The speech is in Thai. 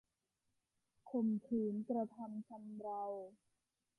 ข่มขืนกระทำชำเรา